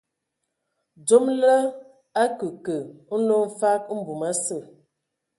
Dzom lə akǝkǝ nlo mfag mbum a sə.